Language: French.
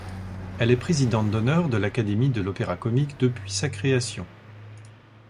Elle est présidente d'honneur de l'Académie de l'Opéra Comique depuis sa création.